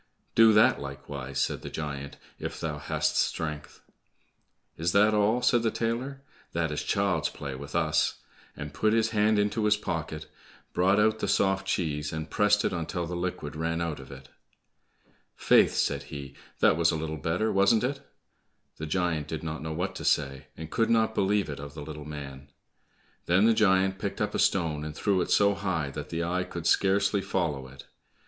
"Do that likewise," said the giant, "if thou hast strength?" "Is that all?" said the tailor, "that is child's play with us!" and put his hand into his pocket, brought out the soft cheese, and pressed it until the liquid ran out of it. "Faith," said he, "that was a little better, wasn't it?" The giant did not know what to say, and could not believe it of the little man. Then the giant picked up a stone and threw it so high that the eye could scarcely follow it.